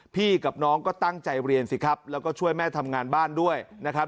กับน้องก็ตั้งใจเรียนสิครับแล้วก็ช่วยแม่ทำงานบ้านด้วยนะครับ